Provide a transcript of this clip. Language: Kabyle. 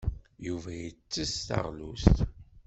Yuba yettess taɣlust.